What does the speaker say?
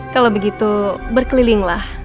kalau begitu berkelilinglah